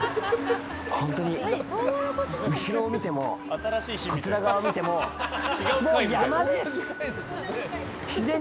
本当に後ろを見てもこちら側を見ても山です！